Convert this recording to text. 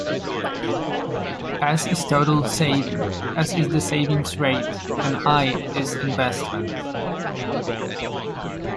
"S" is total saving, "s" is the savings rate, and "I" is investment.